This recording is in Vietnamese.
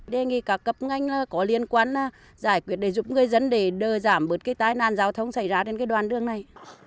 đề nghị các cấp ngành có liên quan giải quyết để giúp người dân để đỡ giảm bớt cái tai nạn giao thông xảy ra đến cái đoàn đường này